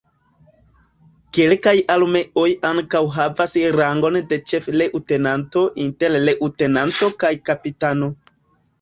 Kelkaj armeoj ankaŭ havas rangon de ĉef-leŭtenanto inter leŭtenanto kaj kapitano.